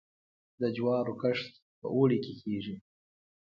د جوارو کښت په اوړي کې کیږي.